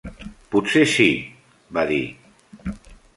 "Potser sí", va dir.